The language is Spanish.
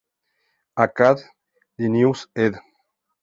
Acad., Linnaeus ed.